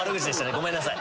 ごめんなさい。